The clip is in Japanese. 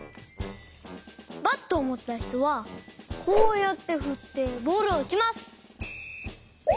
バットをもったひとはこうやってふってボールをうちます。